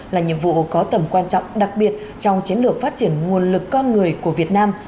là nhiệm vụ có tầm quan trọng đặc biệt trong chiến lược phát triển nguồn lực con người của việt nam